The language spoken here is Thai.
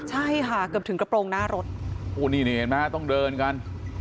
ใช่ค่ะเกือบถึงกระโปรงหน้ารถโอ้นี่นี่เห็นไหมฮะต้องเดินกัน